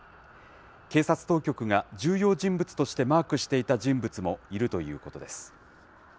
警察当局が、重要人物としてマークしていた人物もいるということです。